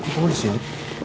kok lo disini